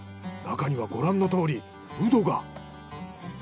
中にはご覧のとおりうどが。